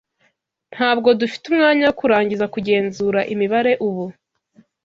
Ntabwo dufite umwanya wo kurangiza kugenzura imibare ubu,